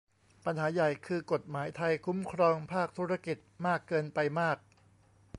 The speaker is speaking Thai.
ปัญหาใหญ่คือกฏหมายไทยคุ้มครองภาคธุรกิจมากเกินไปมาก